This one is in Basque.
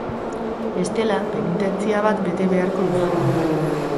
Bestela, penitentzia bat bete beharko duzue.